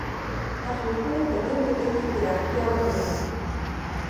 تخنیکونو په دې موده کې پراختیا ومونده.